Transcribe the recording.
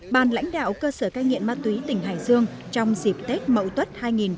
bàn lãnh đạo cơ sở ca nghiện ma túy tỉnh hải dương trong dịp tết mậu tuất hai nghìn một mươi tám